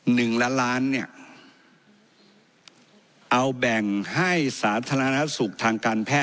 หนึ่งล้านล้านเนี่ยเอาแบ่งให้สาธารณสุขทางการแพท